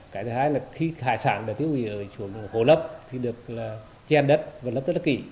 cái thứ hai là khi hải sản đã tiêu hủy ở xuống hồ lấp thì được chen đất và lấp rất là kỹ